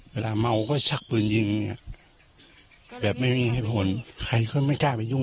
เวลาเม้าก็ชักปืนยิงเลย